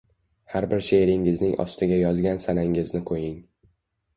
Har bir she’ringizning ostiga yozgan sanangizni qo’ying.